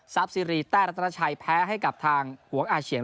ซีรีสแต้รัตนาชัยแพ้ให้กับทางหวงอาเฉียง